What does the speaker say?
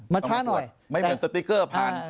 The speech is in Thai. ไม่เหมือนสติกเกอร์ที่พา